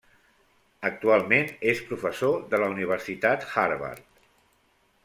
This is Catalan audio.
Actualment és professor de la Universitat Harvard.